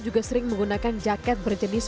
juga sering menggunakan jaket berjenis